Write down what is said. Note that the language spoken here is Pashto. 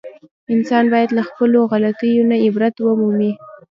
انسان باید له خپلو غلطیو نه عبرت و مومي.